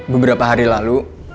beberapa hari lalu